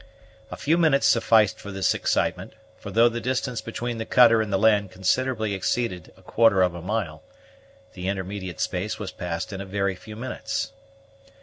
A few minutes sufficed for this excitement; for though the distance between the cutter and the land considerably exceeded a quarter of a mile, the intermediate space was passed in a very few minutes.